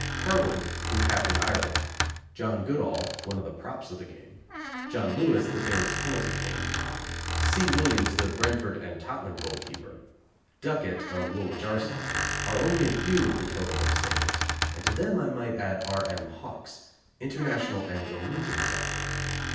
Kirwan, who captained Ireland; John Goodall, one of the props of the game; John Lewis, the famous penalty king; C. Williams, the Brentford and Tottenham goalkeeper; Ducat, of Woolwich Arsenal, are only a few of the total abstainers, and to them I might add R. M. Hawkes, International and the Luton captain.